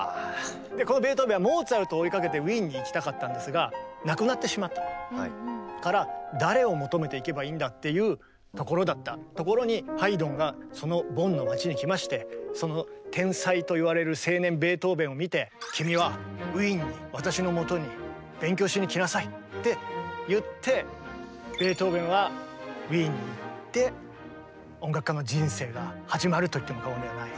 でこのベートーベンはモーツァルトを追いかけてウィーンに行きたかったんですが亡くなってしまったから誰を求めて行けばいいんだっていうところだったところにハイドンがそのボンの町に来ましてその天才といわれる青年ベートーベンを見て「君はウィーンに私のもとに勉強しに来なさい」って言ってベートーベンはウィーンに行って音楽家の人生が始まると言っても過言ではない。